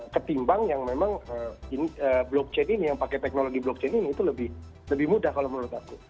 ketimbang yang memang blockchain ini yang pakai teknologi blockchain ini itu lebih mudah kalau menurut aku